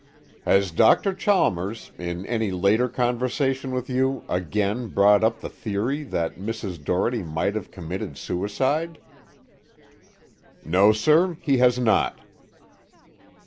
"Has Dr. Chalmers, in any later conversation with you, again brought up the theory that Mrs. Doherty might have committed suicide?" "No, sir, he has not."